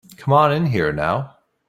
Come on in here now.